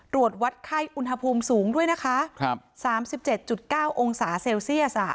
วัดไข้อุณหภูมิสูงด้วยนะคะ๓๗๙องศาเซลเซียส